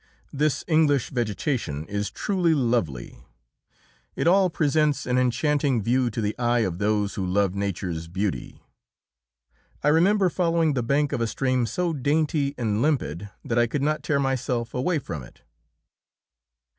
This English vegetation is truly lovely; it all presents an enchanting view to the eye of those who love nature's beauty. I remember following the bank of a stream so dainty and limpid that I could not tear myself away from it.